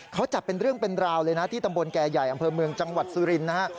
เขาจับเป็นเรื่องเป็นราวเลยนะที่ตำบลแก่ใหญ่อำเภอเมืองจังหวัดสุรินทร์นะฮะ